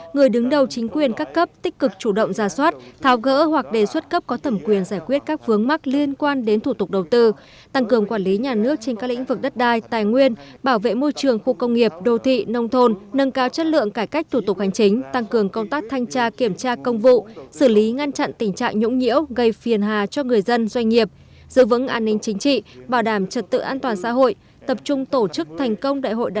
người đứng đầu chính quyền các cấp tích cực chủ động ra soát tháo gỡ hoặc đề xuất cấp có thẩm quyền giải quyết các vướng mắc liên quan đến thủ tục đầu tư tăng cường quản lý nhà nước trên các lĩnh vực đất đai tài nguyên bảo vệ môi trường khu công nghiệp đô thị nông thôn nâng cao chất lượng cải cách thủ tục hành chính tăng cường công tác thanh tra kiểm tra công vụ xử lý ngăn chặn tình trạng nhũng nhiễu gây phiền hà cho người dân doanh nghiệp giữ vững an ninh chính trị bảo đảm trật tự an toàn xã hội